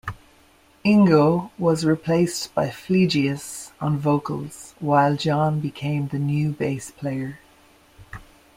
Ingo was replaced by Flegias on vocals, while John became the new bass player.